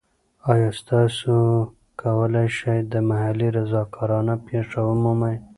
ایا تاسو کولی شئ د محلي رضاکارانه پیښه ومومئ؟